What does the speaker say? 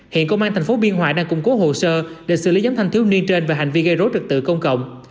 hiện công an tp biên hòa đang củng cố hồ sơ để xử lý nhóm thanh thiếu niên trên về hành vi gây rối trực tự công cộng